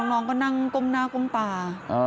น้องก็นั่งก้มหน้าก้มตา